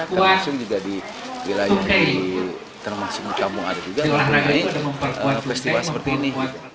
karena juga di wilayah termasuk kampung ada juga yang berhubungan dengan festival seperti ini